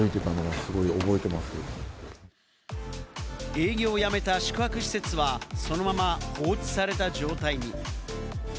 営業をやめた宿泊施設はそのまま放置された状態に。